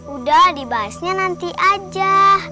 udah dibahasnya nanti aja